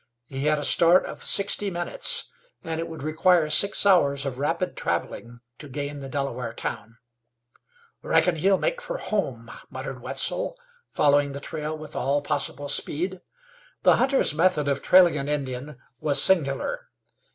He had a start of sixty minutes, and it would require six hours of rapid traveling to gain the Delaware town. "Reckon he'll make fer home," muttered Wetzel, following the trail with all possible speed. The hunter's method of trailing an Indian was singular.